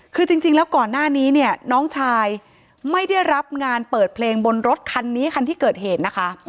คือจริงแล้วก่อนหน้านี้เนี่ยน้องชายไม่ได้รับงานเปิดเพลงบนรถคันนี้คันที่เกิดเหตุนะคะ